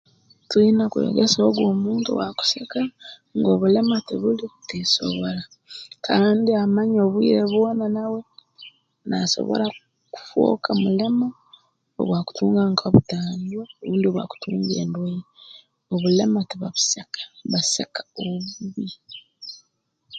Twine kwegesa ogu omuntu owaakuseka ngu obulema tubuli buteesobora kandi amanye obwire bwona nawe naasobora kufooka mulema obu akutunga nka butandwa rundi obu akutunga endwaire obulema tibabuseka baseka obubi